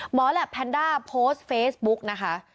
แหลปแพนด้าโพสต์เฟซบุ๊กนะคะ